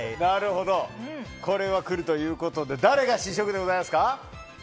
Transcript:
これは来るということで誰が試食でございますか？